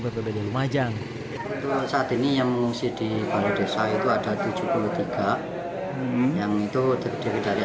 berbeda beda majang saat ini yang mengungsi di kuala desa itu ada tujuh puluh tiga yang itu terdiri dari